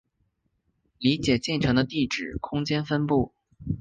理解进程的地址空间分布